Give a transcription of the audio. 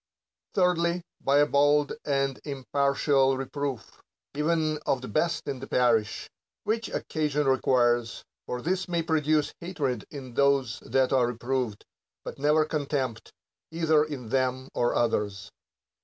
Thirdly, by a bold and impartial reproof, even of the best in the parish, when occasion requires : for this may produce hatred in those that are reproved, but never contempt, either in them or others.